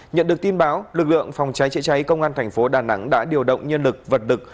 nhận được tin báo lực lượng phòng cháy chữa cháy công an thành phố đà nẵng đã điều động nhân lực vật lực